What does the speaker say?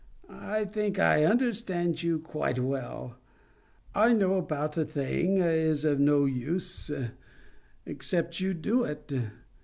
I think I understand you quite well. To know about a thing is of no use, except you do it.